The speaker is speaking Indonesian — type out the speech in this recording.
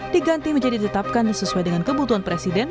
diganti menjadi ditetapkan sesuai dengan kebutuhan presiden